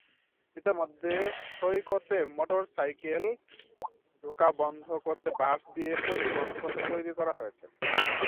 ইতিমধ্যে সৈকতে মোটরসাইকেল ঢোকা বন্ধ করতে বাঁশ দিয়ে প্রতিবন্ধকতা তৈরি করা হয়েছে।